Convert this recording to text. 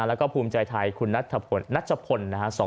แล้วก็ภูมิใจไทยคุณนัชพล๒๒๐๐๐บาท